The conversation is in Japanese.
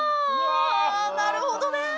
なるほどね。